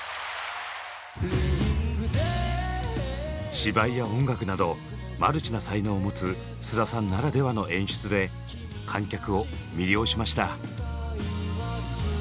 芝居や音楽などマルチな才能を持つ菅田さんならではの演出で観客を魅了しました。